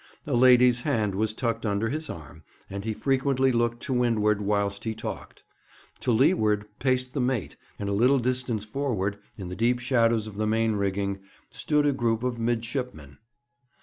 A lady's hand was tucked under his arm, and he frequently looked to windward whilst he talked. To leeward paced the mate, and a little distance forward, in the deep shadows of the main rigging, stood a group of midshipmen.